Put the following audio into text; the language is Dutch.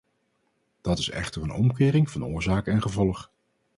Dat is echter een omkering van oorzaak en gevolg.